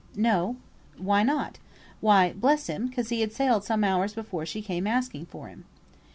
"No!" "Why not?" "Why, bless you, 'cause he had sailed some hours before she came asking for him."